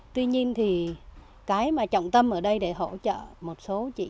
tuy nhiên thì cái mà trọng tâm ở đây để hỗ trợ một số chị